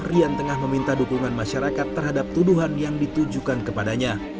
rian tengah meminta dukungan masyarakat terhadap tuduhan yang ditujukan kepadanya